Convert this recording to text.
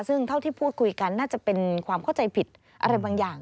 ซึ่งเท่าที่พูดคุยกันน่าจะเป็นความเข้าใจผิดอะไรบางอย่าง